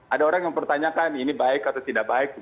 ada orang yang mempertanyakan ini baik atau tidak baik